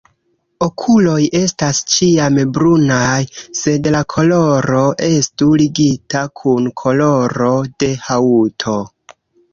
Okuloj estas ĉiam brunaj, sed la koloro estu ligita kun koloro de haŭto.